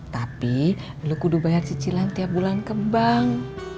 tapi dulu kudu bayar cicilan tiap bulan ke bank